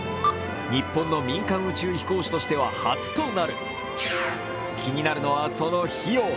日本の民間宇宙飛行士としては初となる、気になるのは、その費用。